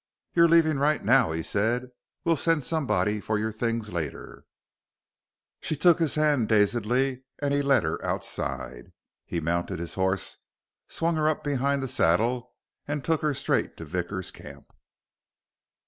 "You're leaving right now," he said. "We'll send somebody for your things later." She took his hand dazedly, and he led her outside. He mounted his horse, swung her up behind the saddle, and took her straight to Vickers' camp.